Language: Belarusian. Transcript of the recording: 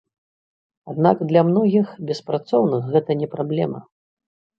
Аднак для многіх беспрацоўных гэта не праблема.